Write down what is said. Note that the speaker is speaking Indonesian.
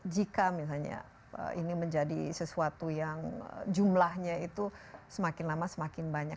jika misalnya ini menjadi sesuatu yang jumlahnya itu semakin lama semakin banyak